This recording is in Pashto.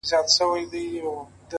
شاوخوا ټولي سيمي.